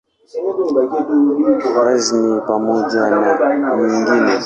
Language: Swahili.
Rasmi pamoja na nyingine.